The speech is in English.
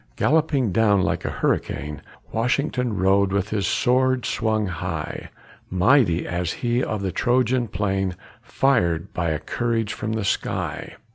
Galloping down like a hurricane Washington rode with his sword swung high, Mighty as he of the Trojan plain Fired by a courage from the sky.